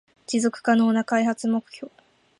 持続可能な開発目標